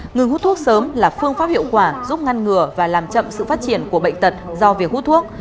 ngừng hút thuốc sớm là phương pháp hiệu quả giúp ngăn ngừa và làm chậm sự phát triển của bệnh tật do việc hút thuốc